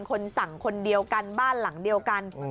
คนสั่งคนเดียวกันบ้านหลังเดียวกัน